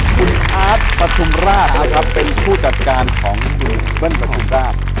คุณอาร์ตประทุมราชนะครับเป็นผู้จัดการของยูเบิ้ลประทุมราช